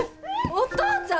お父ちゃん